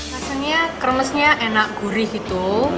rasanya kremesnya enak gurih gitu